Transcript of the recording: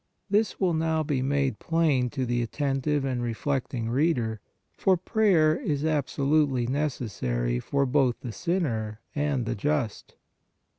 This will now be made plain to the attentive and reflecting reader, for prayer is absolutely necessary for both the sinner and the just.